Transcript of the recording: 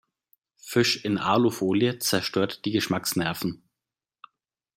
Fisch in Alufolie zerstört die Geschmacksnerven.